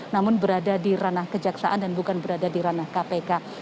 namun berada di ranah kejaksaan dan bukan berada di ranah kpk